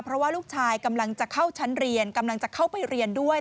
เพราะว่าลูกชายกำลังจะเข้าชั้นเรียนกำลังจะเข้าไปเรียนด้วย